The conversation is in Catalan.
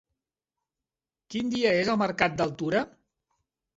Quin dia és el mercat d'Altura?